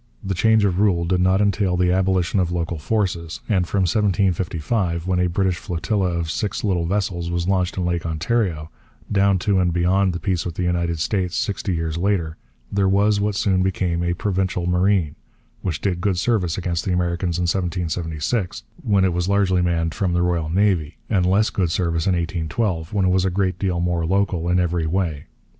The change of rule did not entail the abolition of local forces; and from 1755, when a British flotilla of six little vessels was launched on Lake Ontario, down to and beyond the peace with the United States sixty years later, there was what soon became a 'Provincial Marine,' which did good service against the Americans in 1776, when it was largely manned from the Royal Navy, and less good service in 1812, when it was a great deal more local in every way.